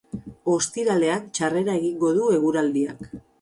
Ostiralean txarrera egingo du eguraldiak.